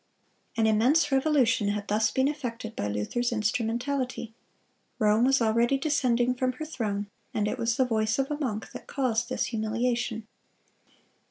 An immense revolution had thus been effected by Luther's instrumentality. Rome was already descending from her throne, and it was the voice of a monk that caused this humiliation."